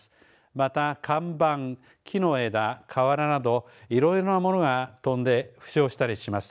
また看板、木の枝、かわらなどいろいろな物が飛んで負傷したりします。